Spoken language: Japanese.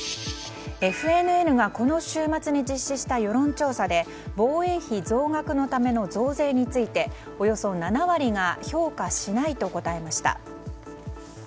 ＦＮＮがこの週末に実施した世論調査で防衛費増額のための増税についておよそ７割が評価しないと答えました。